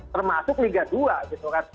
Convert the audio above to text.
termasuk liga dua gitu kan